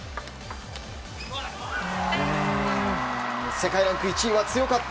世界ランク１位は強かった。